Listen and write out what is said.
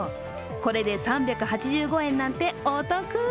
これで３８５円なんて、お得！